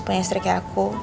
punya istri kayak aku